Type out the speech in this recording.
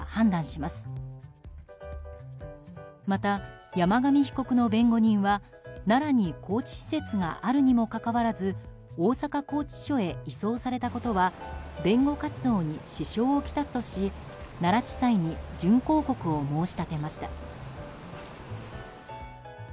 また、山上被告の弁護人は奈良に拘置施設があるにもかかわらず大阪拘置所へ移送されたことは弁護活動に支障を来すとし奈良地裁に準抗告を申し立てました。